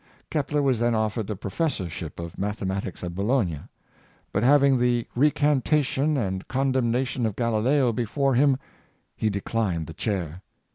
Kepler was then offered the professorship of mathe matics at Bologna, but having the recantation and con demnation of Galileo before him he declined the chair.